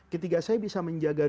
ketika saya bisa menjaga